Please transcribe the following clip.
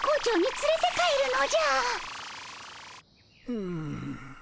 うん。